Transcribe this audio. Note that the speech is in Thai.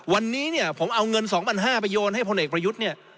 วันนี้เนี่ยผมเอาเงิน๒๕๐๐ไปโยนให้พลเอกประยุทธ์เนี่ย